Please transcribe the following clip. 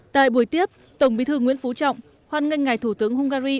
tại buổi tiếp tổng bí thư nguyễn phú trọng hoan nghênh ngài thủ tướng hungary